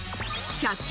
１００均